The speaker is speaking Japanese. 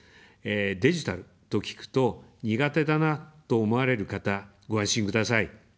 デジタルと聞くと、苦手だなと思われる方、ご安心ください。